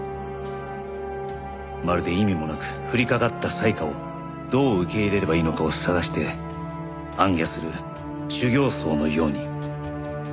まるで意味もなく降りかかった災禍をどう受け入れればいいのかを探して行脚する修行僧のように。